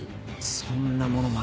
そんなものまで。